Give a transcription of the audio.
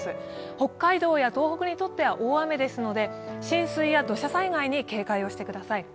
北海道や東北にとっては大雨ですので浸水や土砂災害に警戒をしてください。